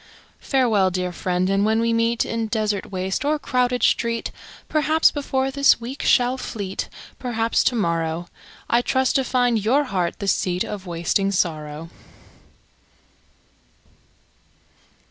Farewell, dear friend, and when we meet, In desert waste or crowded street, Perhaps before this week shall fleet, Perhaps to morrow. I trust to find your heart the seat Of wasting sorrow.